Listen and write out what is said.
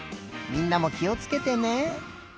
みんなもきをつけてね。